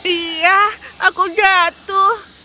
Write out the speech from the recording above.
iya aku jatuh